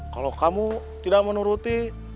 kalau kamu tidak menuruti